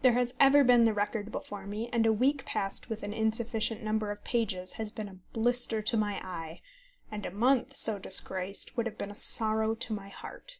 There has ever been the record before me, and a week passed with an insufficient number of pages has been a blister to my eye, and a month so disgraced would have been a sorrow to my heart.